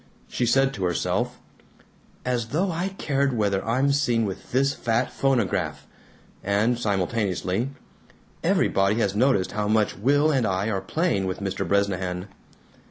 She said to herself, "As though I cared whether I'm seen with this fat phonograph!" and simultaneously, "Everybody has noticed how much Will and I are playing with Mr. Bresnahan."